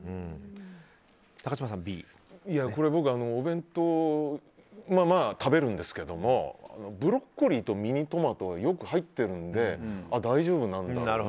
これは僕、お弁当食べるんですけどもブロッコリーとミニトマトがよく入ってるので大丈夫なのかなと。